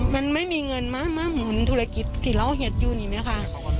มันไม่มีเงินมาหมุนธุรกิจที่เราเห็นอยู่นี่ไหมคะ